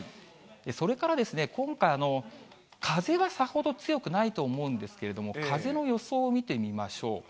それから、今回、風はさほど強くないと思うんですけれども、風の予想を見てみましょう。